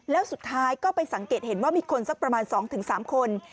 แล้วสุดท้ายก็ไปสังเกตเห็นว่ามีคนสักประมาณ๒๓คน